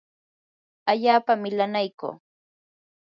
allaapa milanaykuu.